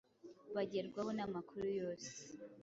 bagerwaho n’amakuru yose,